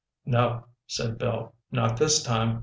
"No," said Bill, "not this time.